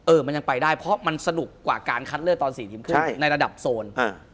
มันยังไปได้เพราะมันสนุกกว่าการคัดเลือกตอน๔ทีมครึ่งในระดับโซนอ่า